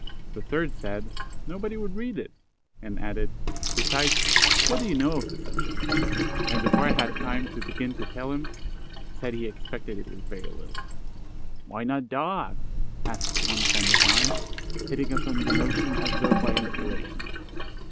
The third said, "Nobody would read it," and added, "Besides, what do you know of the subject?" and before I had time to begin to tell him, said he expected it was very little. "Why not Dogs?" asked one friend of mine, hitting upon the notion as though by inspiration.